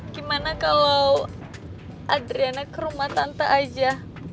gimana kalau adriana ke rumah tante aja